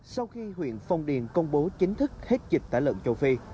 sau khi huyện phong điền công bố chính thức hết dịch tả lợn châu phi